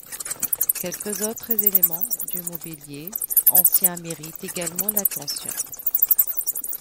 Quelques autres éléments du mobilier anciens méritent également l'attention.